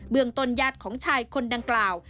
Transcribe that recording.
เมืองต้นญาติของชายคนดังกล่าว